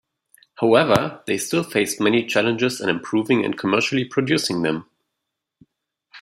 However, they still faced many challenges in improving and commercially producing them.